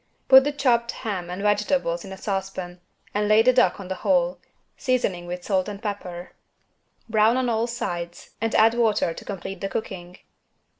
Put the chopped ham and vegetables in a saucepan and lay the duck on the whole, seasoning with salt and pepper. Brown on all sides and add water to complete the cooking.